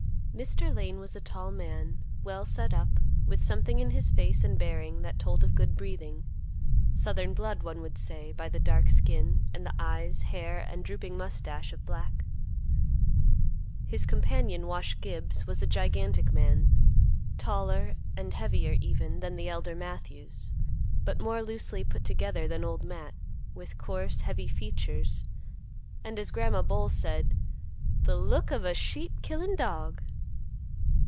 Mr. Lane was a tall man, well set up, with something in his face and bearing that told of good breeding; southern blood, one would say, by the dark skin, and the eyes, hair, and drooping mustache of black. His companion, Wash Gibbs, was a gigantic man; taller and heavier, even, than the elder Matthews, but more loosely put together than Old Matt; with coarse, heavy features, and, as Grandma Bowles said, "the look of a sheep killin' dog."